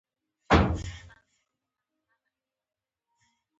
د پټې خزانې پر اثر د استاد هوتک اثر شنو.